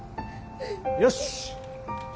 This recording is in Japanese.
よし！